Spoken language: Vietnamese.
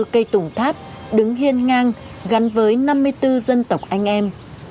năm mươi bốn cây tủng tháp đứng hiên ngang gắn với năm mươi bốn dân tộc anh em